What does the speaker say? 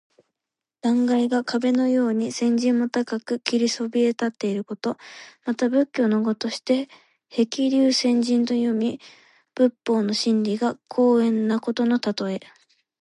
断崖が壁のように千仞も高く切り立ちそびえていること。また仏教の語として「へきりゅうせんじん」と読み、仏法の真理が高遠なことのたとえ。